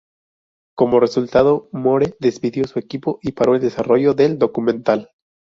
Como resultado, Moore despidió su equipo y paró el desarrollo del documental.